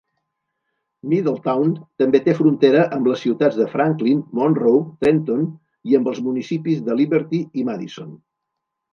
Middletown també té frontera amb les ciutats de Franklin, Monroe, Trenton i amb els municipis de Liberty i Madison.